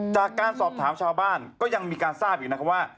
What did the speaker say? จากการสอบถามชาวบ้านก็ยังมีการทราบอยู่นะครับว่า